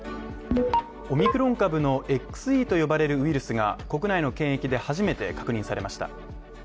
オミクロン株のＸＥと呼ばれるウイルスが国内の検疫で初めて確認されました。